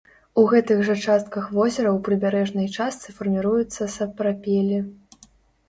У гэтых жа частках возера ў прыбярэжнай частцы фарміруюцца сапрапелі.